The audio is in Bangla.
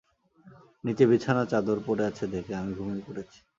নিচে বিছানার চাদর পড়ে আছে দেখে, আমি ঘুমিয়ে পড়েছি।